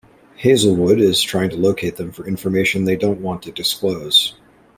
Hazelwood is trying to locate them for information they don't want to disclose.